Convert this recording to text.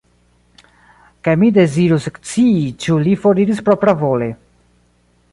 Kaj mi dezirus ekscii, ĉu li foriris propravole.